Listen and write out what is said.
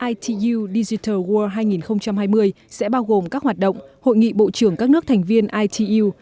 itu digital world hai nghìn hai mươi sẽ bao gồm các hoạt động hội nghị bộ trưởng các nước thành viên itu